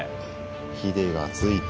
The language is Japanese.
ひでがついて。